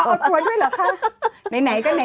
อดหัวด้วยเหรอคะ